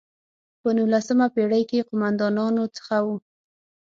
په نولسمه پېړۍ کې قوماندانانو څخه وو.